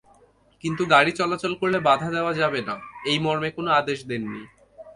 কিন্তু গাড়ি চলাচল করলে বাধা দেওয়া যাবে না—এই মর্মে কোনো আদেশ দেননি।